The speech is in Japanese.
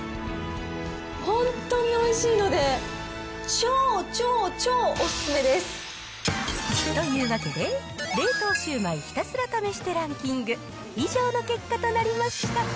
本当においしいので、というわけで、冷凍シュウマイひたすら試してランキング、以上の結果となりました。